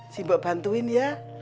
si mbok bantuin ya